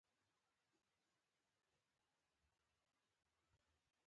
دغو مېرمنو به چپ لاس هېڅ شي ته نه ور ټیټاوه.